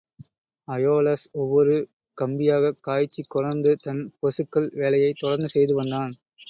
அயோலஸ் ஒவ்வொரு கம்பியாகக் காய்ச்சிக் கொணர்ந்து தன் பொசுக்கல் வேலையைத் தொடர்ந்து செய்து வந்தான்.